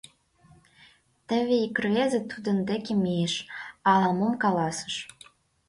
Теве ик рвезе тудын деке мийыш, ала-мом каласыш.